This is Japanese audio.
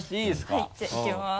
はいじゃあいきます。